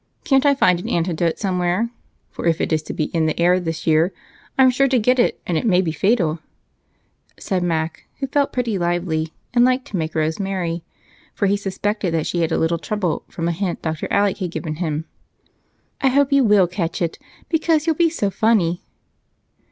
Can't I find an antidote somewhere, for if it is in the air this year I'm sure to get it, and it may be fatal," said Mac, who felt pretty lively and liked to make Rose merry, for he suspected that she had a little trouble from a hint Dr. Alec had given him. "I hope you will catch it, because you'll be so funny."